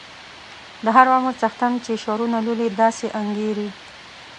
د هر عمر څښتن چې شعرونه لولي داسې انګیري.